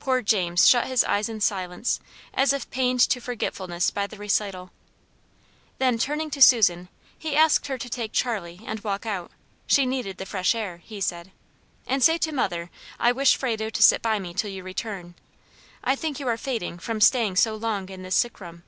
Poor James shut his eyes in silence, as if pained to forgetfulness by the recital. Then turning to Susan, he asked her to take Charlie, and walk out; "she needed the fresh air," he said. "And say to mother I wish Frado to sit by me till you return. I think you are fading, from staying so long in this sick room."